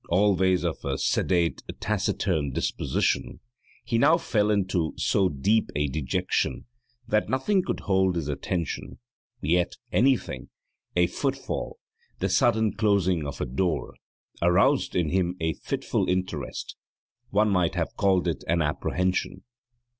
Always of a sedate, taciturn disposition, he now fell into so deep a dejection that nothing could hold his attention, yet anything a footfall, the sudden closing of a door aroused in him a fitful interest; one might have called it an apprehension.